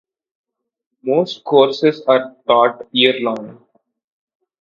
Most courses are taught year-long.